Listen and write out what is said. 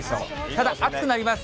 ただ、暑くなります。